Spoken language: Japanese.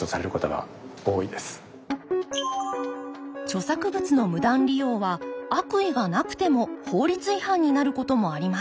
著作物の無断利用は悪意がなくても法律違反になることもあります。